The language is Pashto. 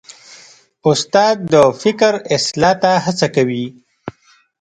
استاد د فکر اصلاح ته هڅه کوي.